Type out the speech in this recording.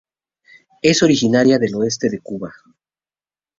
Es originaria del oeste de Cuba.